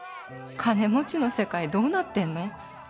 「金持ちの世界どうなってんの」